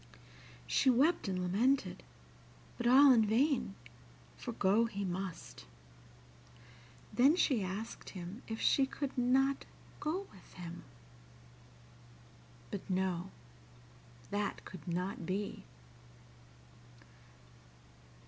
She wept and lamented, but all in vain, for go he must. Then she asked him if she could not go with him. But no, that could not be.